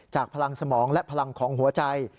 พลังสมองและพลังของหัวใจ